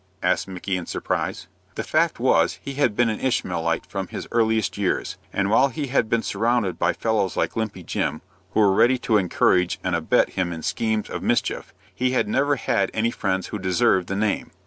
asked Micky, in surprise. The fact was, he had been an Ishmaelite from his earliest years, and while he had been surrounded by fellows like Limpy Jim, who were ready to encourage and abet him in schemes of mischief, he had never had any friends who deserved the name.